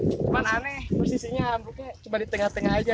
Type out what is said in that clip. cuma aneh posisinya ambruknya cuma di tengah tengah saja